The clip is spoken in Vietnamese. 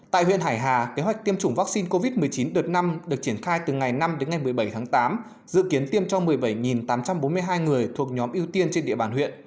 tại huyện hải hà kế hoạch tiêm chủng vaccine covid một mươi chín đợt năm được triển khai từ ngày năm đến ngày một mươi bảy tháng tám dự kiến tiêm cho một mươi bảy tám trăm bốn mươi hai người thuộc nhóm ưu tiên trên địa bàn huyện